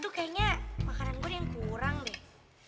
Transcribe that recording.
itu kayaknya makanan gue yang kurang deh